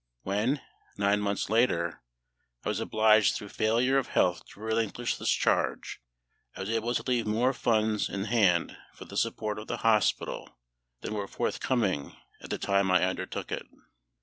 When, nine months later, I was obliged through failure of health to relinquish this charge, I was able to leave more funds in hand for the support of the hospital than were forthcoming at the time I undertook it.